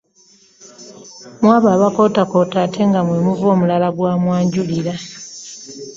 Mu abo abakootakoota ate nga mwe muva omulala gw’amwanjulira.